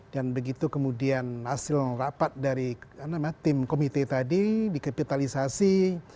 dan begitu kemudian hasil rapat dari tim komite tadi dikapitalisasi